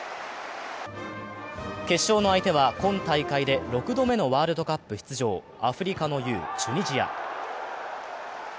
決勝の相手は今大会で６度目のワールドカップ出場、アフリカの雄・チュニジア。